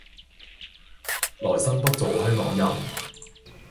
來生不做香港人